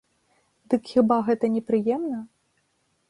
Дык хіба гэта не прыемна?